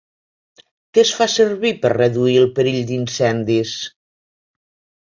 Què es fa servir per reduir el perill d'incendis?